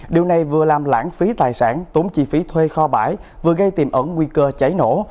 điều này vừa làm lãng phí tài sản tốn chi phí thuê kho bãi vừa gây tiềm ẩn nguy cơ cháy nổ